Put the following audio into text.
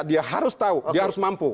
dia harus tahu dia harus mampu